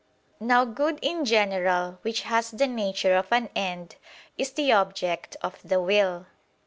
Now good in general, which has the nature of an end, is the object of the will.